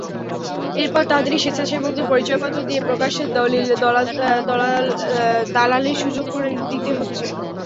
এরপর তাঁদেরই স্বেচ্ছাসেবকের পরিচয়পত্র দিয়ে প্রকাশ্যে দালালির সুযোগ করে দিতে হচ্ছে।